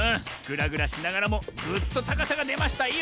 ぐらぐらしながらもぐっとたかさがでましたよ！